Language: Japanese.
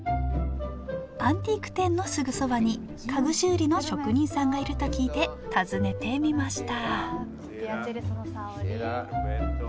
アンティーク店のすぐそばに家具修理の職人さんがいると聞いて訪ねてみました